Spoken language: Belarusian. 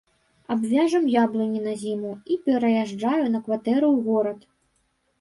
Абвяжам яблыні на зіму, і пераязджаю на кватэру ў горад.